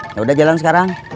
yaudah jalan sekarang